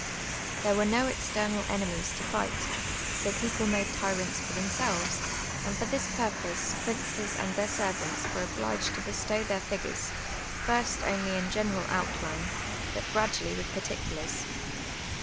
TluTc were no external enemies to ti^:ht ; so j)eoplc made tyrants for tlienisclves, and Ibr tins ])urj)ose j)rinces and tlieir servants were obliged t(j bestow their h;^Mires, first only iu general outline, but i^radually with p;irtieulars.